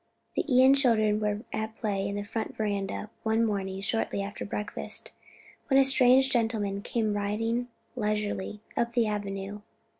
The Ion children were at play in the front veranda one morning shortly after breakfast, when a strange gentleman came riding leisurely up the avenue.